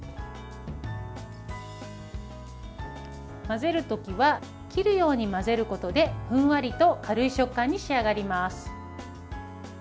混ぜる時は切るように混ぜることでふんわりと軽い食感に仕上がります。